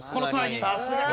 さすがに。